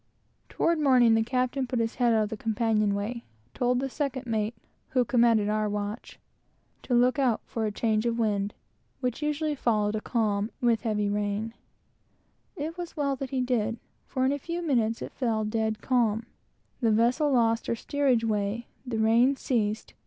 Toward morning the captain put his head out of the companion way and told the second mate, who commanded our watch, to look out for a change of wind, which usually followed a calm and heavy rain; and it was well that he did; for in a few minutes it fell dead calm, the vessel lost her steerage way, and the rain ceased.